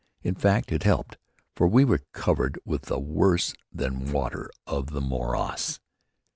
In fact it helped; for we were covered with the worse than water of the morass.